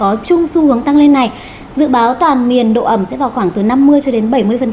có chung xu hướng tăng lên này dự báo toàn miền độ ẩm sẽ vào khoảng từ năm mươi cho đến bảy mươi